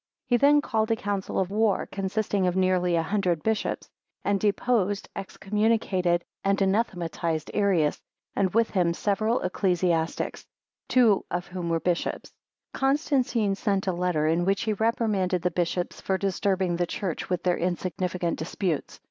He then called a Council of War, consisting of nearly, a hundred bishops, and deposed, excommunicated, and anathematized Arius, and with him several ecclesiastics, two of whom were bishops. Constantine sent a letter, in which he reprimanded the bishops for disturbing the church with their insignificant disputes.